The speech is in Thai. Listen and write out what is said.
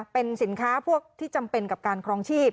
เป็นสินค้าพวกที่จำเป็นกับการครองชีพ